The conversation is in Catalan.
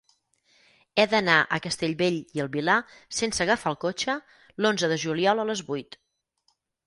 He d'anar a Castellbell i el Vilar sense agafar el cotxe l'onze de juliol a les vuit.